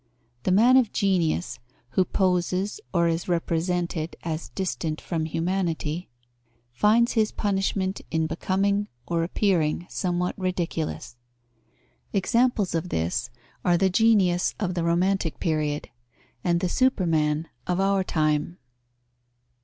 The man of genius, who poses or is represented as distant from humanity, finds his punishment in becoming or appearing somewhat ridiculous. Examples of this are the genius of the romantic period and the superman of our time.